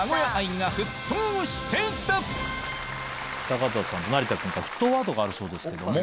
高畑さん成田君から沸騰ワードがあるそうですけども。